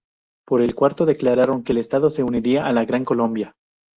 Por el cuarto, declararon que el Estado se uniría a la Gran Colombia.